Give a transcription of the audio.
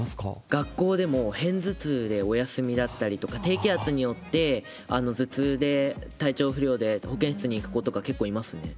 学校でも偏頭痛でお休みだったりとか、低気圧によって頭痛で、体調不良で保健室に行く子とか、結構いますね。